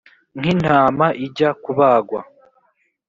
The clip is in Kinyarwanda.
nk intama ijya kubagwa